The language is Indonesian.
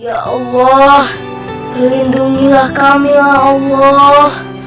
ya allah lindungilah kami ya allah